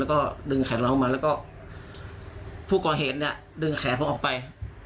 แล้วก็ดึงแขนน้องมาแล้วก็ผู้ก่อเหตุเนี่ยดึงแขนผมออกไป